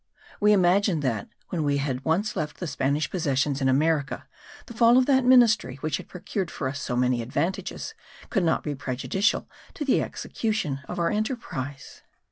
We imagined that, when we had once left the Spanish possessions in America, the fall of that ministry which had procured for us so many advantages, could not be prejudicial to the execution of our enterprise.